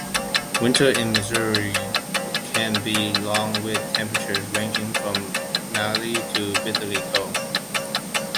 Winters in Missouri can be long with temperatures ranging from mildly to bitterly cold.